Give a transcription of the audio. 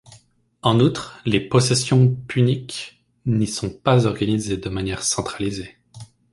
En outre, les possessions puniques n'y sont pas organisées de manière centralisée.